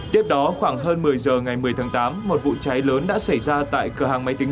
tiếp đó khoảng hơn một mươi giờ ngày một mươi tháng tám một vụ cháy lớn đã xảy ra tại cửa hàng máy tính